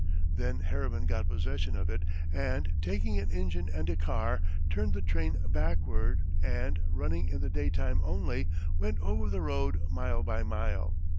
Then Harriman got possession of it, and taking an engine and a car, turned the train backward and, running in the day time only, went over the road mile by mile.